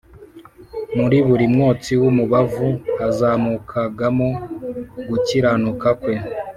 Muri buri mwotsi w’umubavu hazamukagamo gukiranuka Kwe